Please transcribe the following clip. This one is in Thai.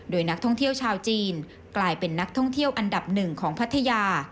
โดยนักท่องเที่ยวชาวจีนกลายเป็นนักท่องเที่ยวอันดับหนึ่งของพัทยา